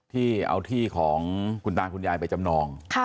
ที่เอาที่ของคุณตาคุณยายไปจำนอง